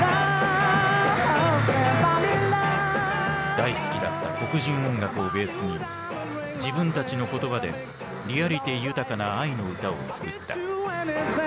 大好きだった黒人音楽をベースに自分たちの言葉でリアリティー豊かな愛の歌を作った。